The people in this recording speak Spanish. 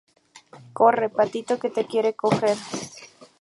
corre, patito, que te quiere coger.